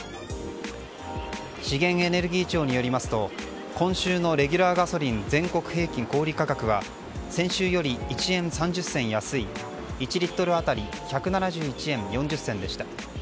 資源エネルギー庁によりますと今週のレギュラーガソリン全国平均小売価格は先週より１円３０銭安い１リットル当たり１７１円４０銭でした。